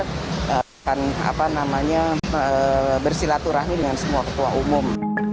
dan apa namanya bersilaturahmi dengan semua ketua umum